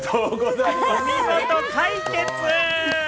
お見事、解決！